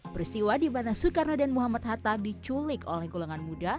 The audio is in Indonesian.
peristiwa di mana soekarno dan muhammad hatta diculik oleh golongan muda